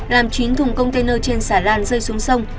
làm chín thùng container trên xà lan rơi xuống sông